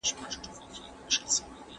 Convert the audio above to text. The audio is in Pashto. زه به سبا د کتابتوننۍ سره خبري وکړم!.